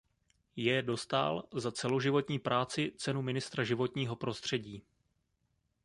J. Dostál za celoživotní práci Cenu ministra životního prostředí.